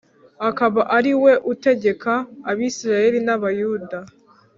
akaba ari we utegeka Abisirayeli n’Abayuda